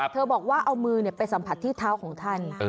บอกว่าเอามือไปสัมผัสที่เท้าของท่าน